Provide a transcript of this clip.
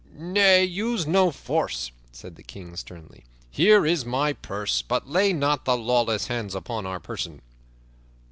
"Nay, use no force," said the King sternly. "Here is my purse, but lay not thy lawless hands upon our person."